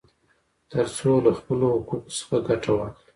ترڅو له خپلو حقوقو څخه ګټه واخلي.